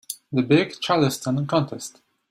The big Charleston contest.